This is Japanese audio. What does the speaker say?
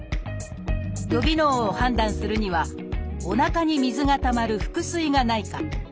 予備能を判断するにはおなかに水がたまる腹水がないか。